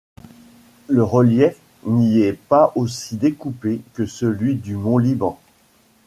Le relief n'y est pas aussi découpé que celui du mont Liban.